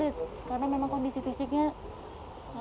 agak sulit karena memang kondisi fisiknya